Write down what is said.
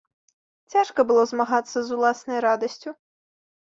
Цяжка было змагацца з уласнай радасцю.